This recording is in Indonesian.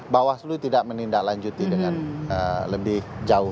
bawaslu tidak menindaklanjuti dengan lebih jauh